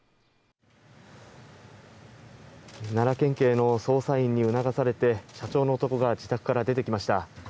奈良県警の捜査員に促されて、社長の男が自宅から出てきました。